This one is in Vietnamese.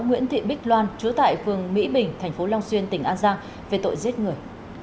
nguyễn thị bích loan chú tại phường mỹ bình tp long xuyên tỉnh an giang về tội giết người